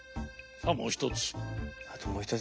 さあもうひとつ。